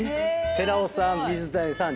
寺尾さん水谷さん